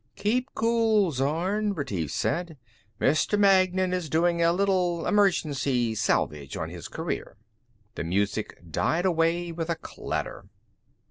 "Keep cool, Zorn," Retief said. "Mr. Magnan is doing a little emergency salvage on his career." The music died away with a clatter.